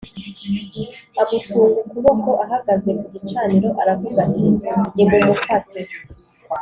amutunga ukuboko ahagaze ku gicaniro, aravuga ati “Nimumufate”